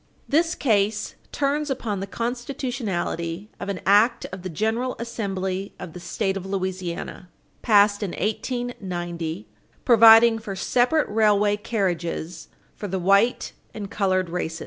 This case turns upon the constitutionality of an act of the General Assembly of the State of Louisiana, passed in 1890, providing for separate railway carriages for the white and colored races.